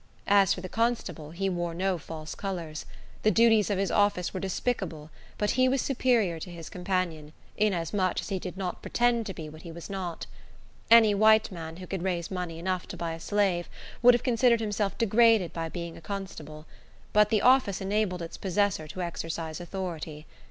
As for the constable, he wore no false colors. The duties of his office were despicable, but he was superior to his companion, inasmuch as he did not pretend to be what he was not. Any white man, who could raise money enough to buy a slave, would have considered himself degraded by being a constable; but the office enabled its possessor to exercise authority.